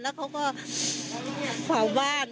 แล้วเขาก็เผาบ้าน